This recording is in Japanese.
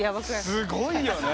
すごいよね。